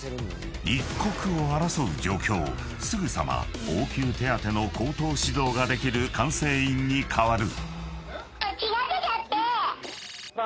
［すぐさま応急手当ての口頭指導ができる管制員に代わる］